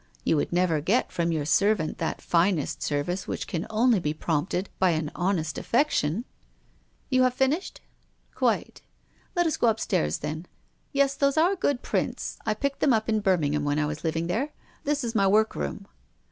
You would never get from your ser vant that finest service which can only be prompted by an honest affection. " "You have finished?" "Quite." "Let us go upstairs then. Yes, those are good prints. I picked them up in Birmingham when I was living there. This is my workroom."